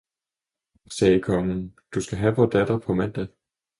sagde kongen, du skal have vor datter på mandag!